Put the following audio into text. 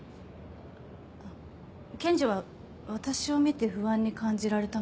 検事は私を見て不安に感じられたのではないかと。